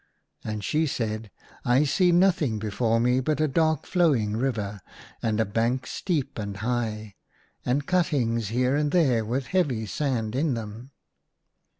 And she said, " I see nothing before me but a dark flowing river, and a bank steep and high, and cuttings here and there with heavy sand in them."